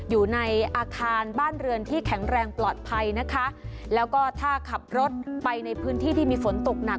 อยู่ในอาคารบ้านเรือนที่แข็งแรงปลอดภัยนะคะแล้วก็ถ้าขับรถไปในพื้นที่ที่มีฝนตกหนัก